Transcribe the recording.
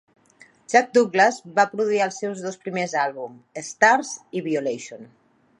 Jack Douglas va produir els seus dos primers àlbums "Starz" i "Violation".